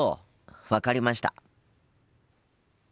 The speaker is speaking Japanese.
分かりました。